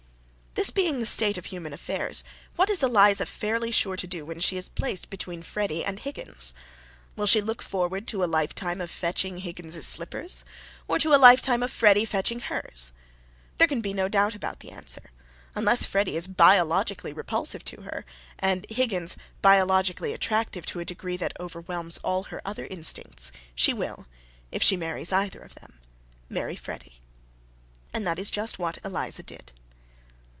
This being the state of human affairs, what is Eliza fairly sure to do when she is placed between Freddy and Higgins? Will she look forward to a lifetime of fetching Higgins's slippers or to a lifetime of Freddy fetching hers? There can be no doubt about the answer. Unless Freddy is biologically repulsive to her, and Higgins biologically attractive to a degree that overwhelms all her other instincts, she will, if she marries either of them, marry Freddy. And that is just what Eliza did.